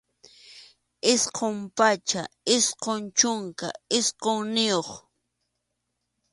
Isqun pachak isqun chunka isqunniyuq.